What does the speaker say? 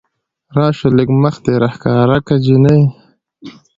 راشه لږ مخ دې راښکاره که جينۍ